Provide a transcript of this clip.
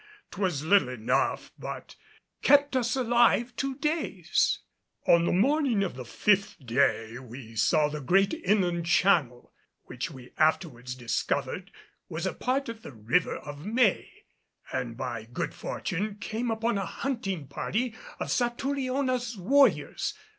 'Twas little enough, but kept us alive two days. On the morning of the fifth day we saw the great inland channel, which we afterwards discovered was a part of the River of May, and by good fortune came upon a hunting party of Satouriona's warriors.